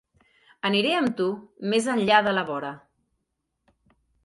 Aniré amb tu més enllà de la vora.